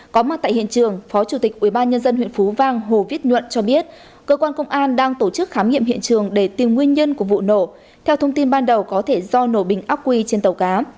có mặt tại hiện trường phó chủ tịch ubnd huyện phú vang hồ viết nhuận cho biết cơ quan công an đang tổ chức khám nghiệm hiện trường để tìm nguyên nhân của vụ nổ theo thông tin ban đầu có thể do nổ bình ác quy trên tàu cá